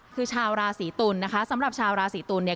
คือชาวราศีตุลนะคะสำหรับชาวราศีตุลเนี่ย